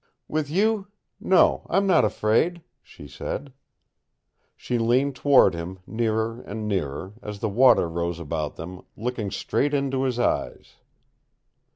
"With you no, I'm not afraid," she said. She leaned toward him, nearer and nearer, as the water rose about them, looking straight into his eyes.